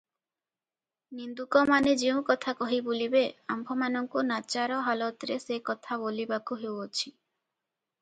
ନିନ୍ଦୁକମାନେ ଯେଉଁ କଥା କହି ବୁଲିବେ, ଆମ୍ଭମାନଙ୍କୁ ନାଚାର ହାଲତରେ ସେ କଥା ବୋଲିବାକୁ ହେଉଅଛି ।